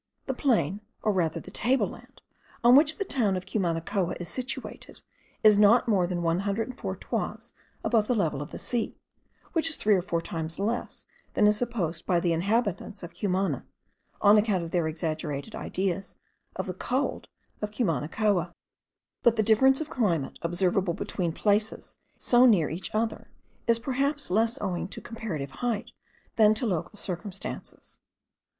The plain, or rather the table land, on which the town of Cumanacoa is situated, is not more than 104 toises above the level of the sea, which is three or four times less than is supposed by the inhabitants of Cumana, on account of their exaggerated ideas of the cold of Cumanacoa. But the difference of climate observable between places so near each other is perhaps less owing to comparative height than to local circumstances.